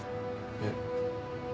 えっ。